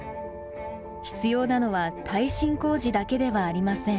必要なのは耐震工事だけではありません。